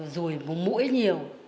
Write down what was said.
rồi vùng mũi nhiều